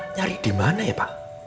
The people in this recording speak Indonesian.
nyari dimana ya pak